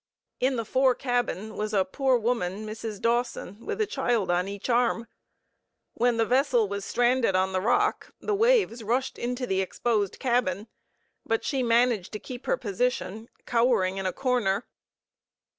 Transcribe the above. In the fore cabin was a poor woman, Mrs. Dawson, with a child on each arm. When the vessel was stranded on the rock the waves rushed into the exposed cabin, but she managed to keep her position, cowering in a corner.